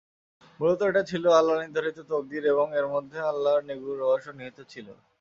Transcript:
মূলত এটা ছিল আল্লাহ নির্ধারিত তকদীর এবং এর মধ্যে আল্লাহর নিগূঢ় রহস্য নিহিত ছিল।